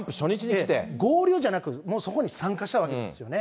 合流じゃなく、もうそこに参加したわけですよね。